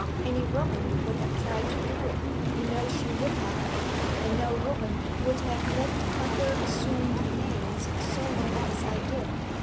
Any woman would have tried to do it you know she would have. And no woman would have lived under assumed names so long as I did.